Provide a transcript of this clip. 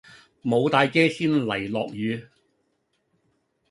無帶遮先嚟落雨